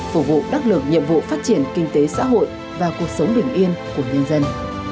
phục vụ đắc lực nhiệm vụ phát triển kinh tế xã hội và cuộc sống bình yên của nhân dân